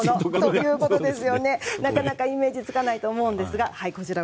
なかなかイメージがつかないと思いますが。